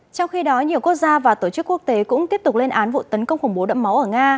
trong khi đó nhiều quốc gia và tổ chức quốc tế cũng tiếp tục lên án vụ tấn công khủng bố đẫm máu ở nga